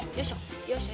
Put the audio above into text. よいしょ！